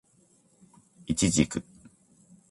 イチジク